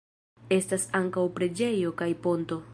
Estas ankaŭ preĝejo kaj ponto.